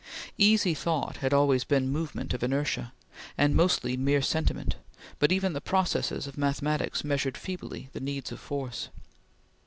Easy thought had always been movement of inertia, and mostly mere sentiment; but even the processes of mathematics measured feebly the needs of force.